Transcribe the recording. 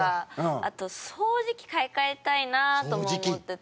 あと、掃除機買い替えたいなと思ってて。